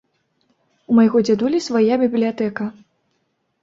У майго дзядулі свая бібліятэка.